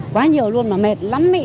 quá nhiều luôn nó mệt lắm ý